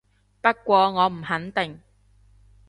不過我唔肯定